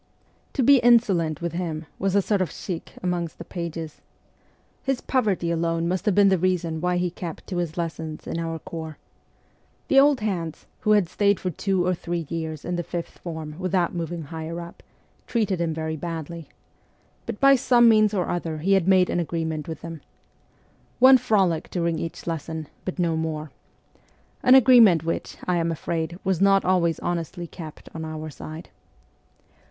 To be insolent with him was a sort of chic amongst the pages. His poverty alone must have been the reason why he kept to his lesson in our corps. The old hands, who had stayed for two or three years in the fifth form without moving higher up, treated him very badly ; but by some means or other he had made an agreement with them :' One frolic during THE CORPS OF PAGES 105 each lesson, but no more ' an agreement which, I am afraid, was not always honestly kept on our side.